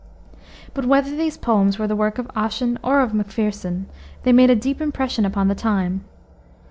But whether these poems were the work of Ossian or of Macpherson, they made a deep impression upon the time.